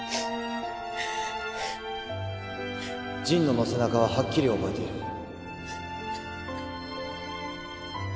神野の背中ははっきり覚えている